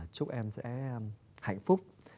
chúc em sẽ hạnh phúc